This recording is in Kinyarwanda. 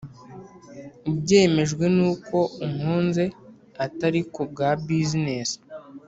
ubyemejwe nuko unkunze atari kubwa business